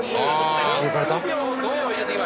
あ抜かれた？